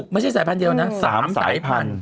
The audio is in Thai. ไม่ใช่สายพันธุเดียวนะ๓สายพันธุ